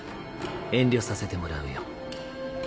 遠慮させてもらうよ。